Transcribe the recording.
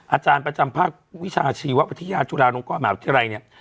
อาจารย์ประจำภาควิชาชีวพฤทธิญาณจุฬานกรรมกรรมหาวิทยาลัยเนี่ย